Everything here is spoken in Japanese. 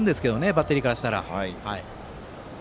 バッテリーからしたら。